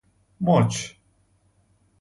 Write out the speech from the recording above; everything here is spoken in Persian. مچ